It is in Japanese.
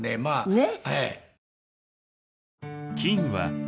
ねっ。